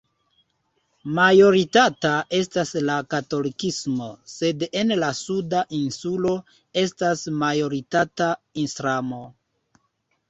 Majoritata estas la katolikismo, sed en la suda insulo estas majoritata Islamo.